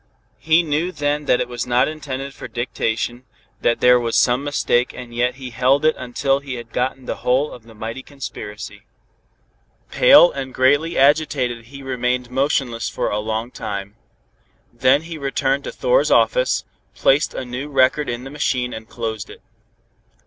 He knew then that it was not intended for dictation, that there was some mistake and yet he held it until he had gotten the whole of the mighty conspiracy. Pale and greatly agitated he remained motionless for a long time. Then he returned to Thor's office, placed a new record in the machine and closed it.